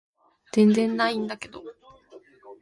全然ないんだけど